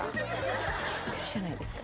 ずっと言ってるじゃないですか。